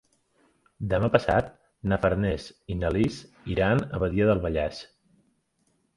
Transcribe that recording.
Demà passat na Farners i na Lis iran a Badia del Vallès.